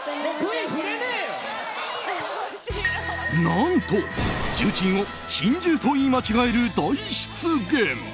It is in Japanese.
何と、重鎮を珍獣と言い間違える大失言！